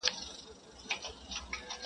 o زما رباب کي د یو چا د زلفو تار دی,